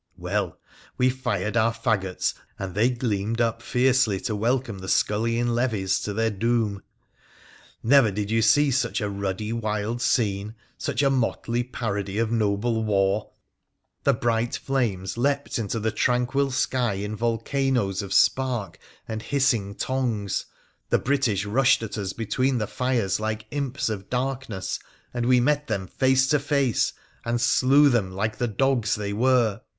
Well, we fired our faggots, and they gleamed up fiercely to welcome the scullion levies to their doom. Never did you see such a ruddy, wild scene — such a motley parody of noble war I The bright flames leapt into the tranquil sky in volcanoes of 58 WONDERFUL ADVENTURES OF spark and hissing tongues, the British rushed at us between the fires like imps of darkness, and we met them face to face and slew them like the dogs they were.